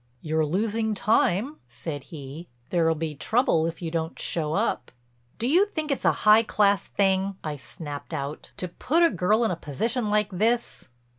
"You're losing time," said he. "There'll be trouble if you don't show up." "Do you think it's a high class thing," I snapped out, "to put a girl in a position like this?"